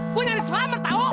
gue nyari selamat tau